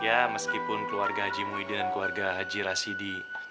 ya meskipun keluarga haji muidi dan keluarga haji rasidi